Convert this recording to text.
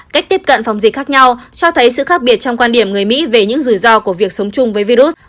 cách tiếp cận phòng dịch khác nhau cho thấy sự khác biệt trong quan điểm người mỹ về những rủi ro của việc sống chung với virus